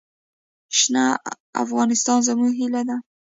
شنه افغانستان زموږ هیله ده.